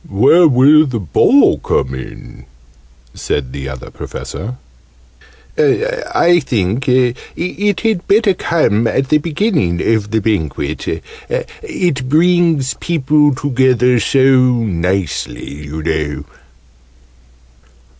"Where will the Ball come in?" said the Other Professor. "I think it had better come at the beginning of the Banquet it brings people together so nicely, you know."